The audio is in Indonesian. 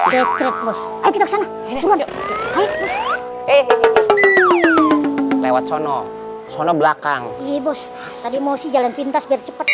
lewat sono sono belakang iya bos tadi mau sih jalan pintas biar cepet